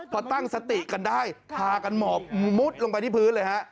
พอตั้งสติกันได้พากันหมอบมุดลงไปที่พื้นเลยฮะ